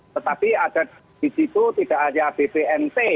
tetapi ada di situ tidak ada bpkt